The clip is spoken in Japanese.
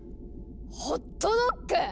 ホットドッグ